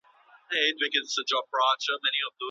څوک د خپل بریالیتوب لپاره شپه او ورځ کار کوي؟